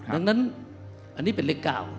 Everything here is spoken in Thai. ดังนั้นอันนี้เป็นเลข๙